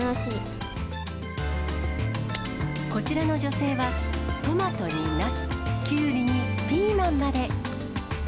こちらの女性は、トマトにナス、キュウリにピーマンまで。